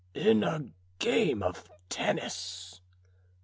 "In a game of tennis?"